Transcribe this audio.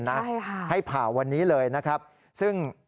ใช่ค่ะให้ผ่าวันนี้เลยนะครับซึ่ง